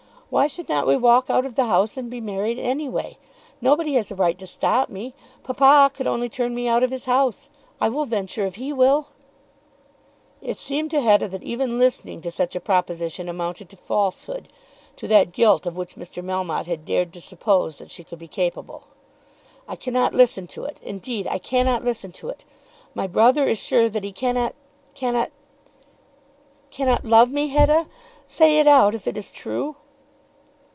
Why should not we walk out of the house, and be married any way? Nobody has a right to stop me. Papa could only turn me out of his house. I will venture if he will." It seemed to Hetta that even listening to such a proposition amounted to falsehood, to that guilt of which Mr. Melmotte had dared to suppose that she could be capable. "I cannot listen to it. Indeed I cannot listen to it. My brother is sure that he cannot cannot " "Cannot love me, Hetta! Say it out, if it is true."